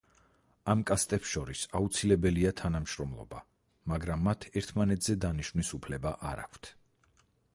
ამ კასტებს შორის აუცილებელია თანამშრომლობა, მაგრამ მათ ერთმანეთზე დანიშვნის უფლება არ აქვთ.